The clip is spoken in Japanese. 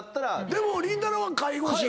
でもりんたろー。は介護士。